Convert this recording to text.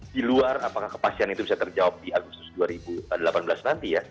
di luar apakah kepastian itu bisa terjawab di agustus dua ribu delapan belas nanti ya